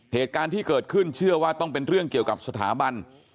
เหตุการณ์ที่เกิดขึ้นเชื่อว่าต้องเป็นเรื่องเกี่ยวกับสถาบัน